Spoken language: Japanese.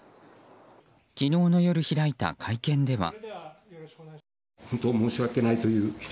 昨日の夜、開いた会見では。